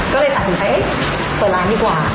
ก็เลยตัดสินค้าเอ๊ะเปิดร้านดีกว่า